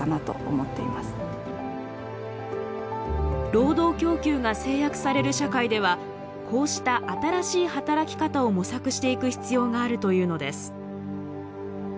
労働供給が制約される社会ではこうした新しい働き方を模索していく必要があるというのです。